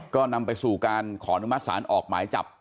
ก็นำไปสู่การขอนุมัติศาลออกหมายจับ